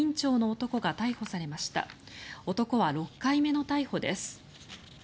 男は６回目の逮捕です。